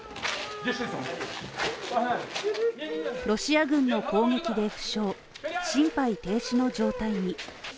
ロシア軍の攻撃で負傷、心肺停止の状態に。